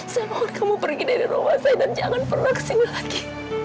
saya mohon kamu pergi dari rumah saya dan jangan pernah kesini lagi